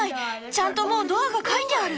ちゃんともうドアが描いてある。